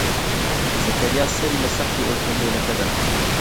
زەکەریا سەری لە سەقفی ئۆتۆمۆبیلەکە دا.